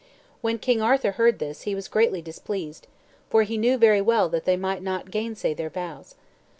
When King Arthur heard this, he was greatly displeased, for he knew well that they might not gainsay their vows.